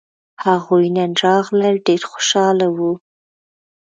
هغوی نن راغلل ډېر خوشاله وو